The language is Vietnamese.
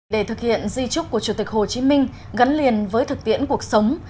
để thực hiện di trúc của chủ tịch hồ chí minh gắn liền với thực tiễn cuộc sống